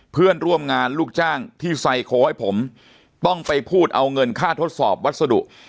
เพื่อนร่วมงานลูกจ้างที่ไซโคให้ผมต้องไปพูดเอาเงินค่าทดสอบวัสดุ